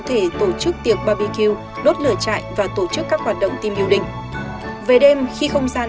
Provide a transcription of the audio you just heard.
thể tổ chức tiệc bbq đốt lửa chạy và tổ chức các hoạt động team building về đêm khi không gian